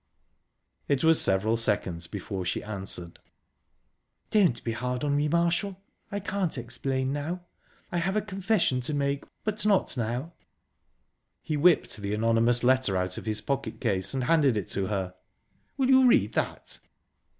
It was several seconds before she answered. "Don't be hard on me, Marshall, I can't explain now...I have a confession to make but not now." He whipped the anonymous letter out of his pocket case, and handed it to her. "Will you read that?"